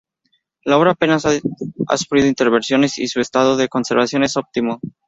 La obra apenas ha sufrido intervenciones y su estado de conservación es óptimo.